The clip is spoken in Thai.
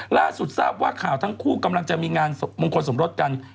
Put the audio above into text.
ล่าสุดทราบว่าข่าวทั้งคู่กำลังจะมีงานมงคลสมรสกัน